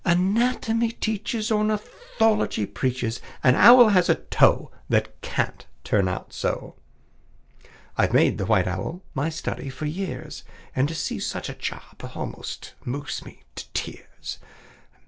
Anatomy teaches, Ornithology preaches An owl has a toe That can't turn out so! I've made the white owl my study for years, And to see such a job almost moves me to tears!